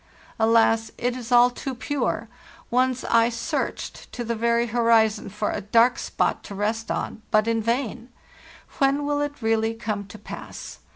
Alas, it is all too pure! One's eye searched to the very horizon for a dark spot to rest on, but in vain. When will it really come to pass?